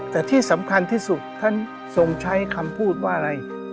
แต่ที่สำคัญที่สุดท่านทรงใช้คำพูดว่าอะไร